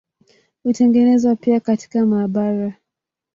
Hutengenezwa pia katika maabara.